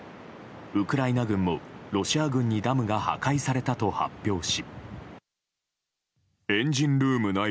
ウクライナ軍も、ロシア軍にダムが破壊されたと発表し。